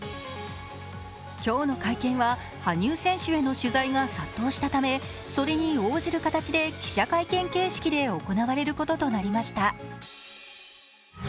今日の会見は羽生選手への取材が殺到したためそれに応じる形で記者会見形式で行われることとなりました。